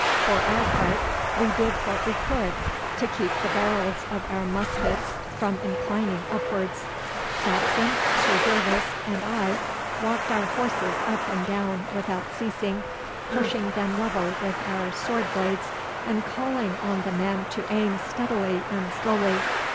For our part, we did what we could to keep the barrels of our muskets from inclining upwards. Saxon, Sir Gervas, and I walked our horses up and down without ceasing, pushing them level with our sword blades, and calling on the men to aim steadily and slowly.